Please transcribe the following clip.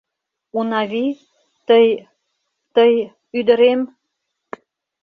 Унави... тый... тый... ӱдырем!..